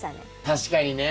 確かにね。